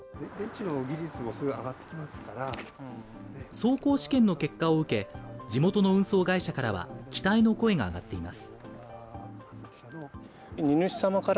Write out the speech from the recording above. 走行試験の結果を受け、地元の運送会社からは、期待の声が上がっています。